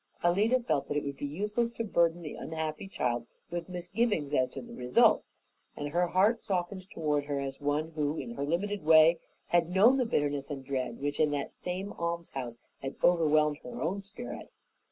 Alida felt that it would be useless to burden the unhappy child with misgivings as to the result, and her heart softened toward her as one who in her limited way had known the bitterness and dread which in that same almshouse had overwhelmed her own spirit.